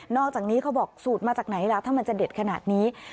อกจากนี้เขาบอกสูตรมาจากไหนล่ะถ้ามันจะเด็ดขนาดนี้